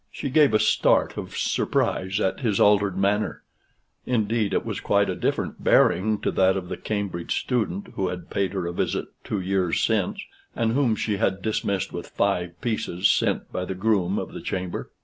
She gave a start of surprise at his altered manner: indeed, it was quite a different bearing to that of the Cambridge student who had paid her a visit two years since, and whom she had dismissed with five pieces sent by the groom of the chamber.